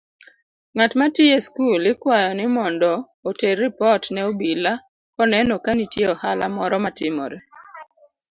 Ng'amatiyo eskul ikwayo nimondo oter ripot ne obila koneno kanitie ohala moro matimore.